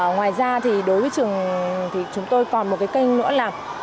ngoài ra thì đối với trường thì chúng tôi còn một cái kênh nữa là